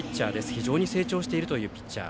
非常に成長しているピッチャー。